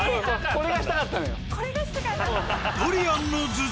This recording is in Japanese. これがしたかった？